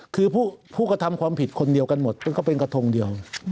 คือผู้กระทำความผิดคนเดียวกันหมดก็เป็นกระทงเดียว